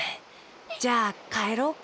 じゃあかえろうか。